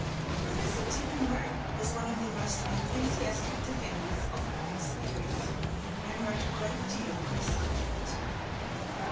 Professor Tippengray was one of the most enthusiastic defenders of Clewe's theories, and wrote a great deal on the subject.